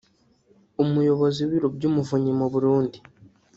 Umuyobozi w’ibiro by’Umuvunyi mu Burundi